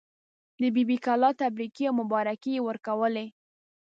د بي بي کلا تبریکې او مبارکۍ یې ورکولې.